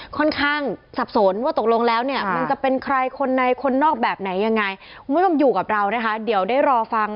สับสนว่าตกลงแล้วเนี่ยมันจะเป็นใครคนในคนนอกแบบไหนยังไงคุณผู้ชมอยู่กับเรานะคะเดี๋ยวได้รอฟัง